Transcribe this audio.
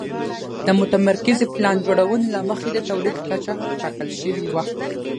د متمرکزې پلان جوړونې له مخې د تولید کچه ټاکل شوې وه